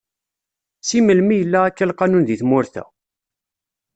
Si melmi yella akka lqanun di tmurt-a?